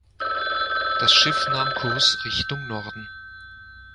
Das Schiff nahm Kurs Richtung Norden.